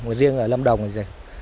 còn riêng ở lâm đồng là gì